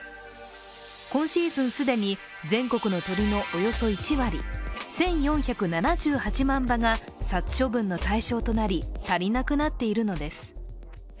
今シーズン既に全国の鶏のおよそ１割１４７８万羽が殺処分の対象となり足りなくなっているのです。